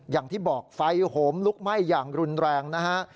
อย่างที่บอกไฟโหมลุกไหม้อย่างรุนแรงนะฮะ